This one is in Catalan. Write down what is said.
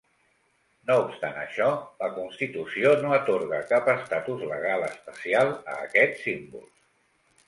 No obstant això, la Constitució no atorga cap estatus legal especial a aquests símbols.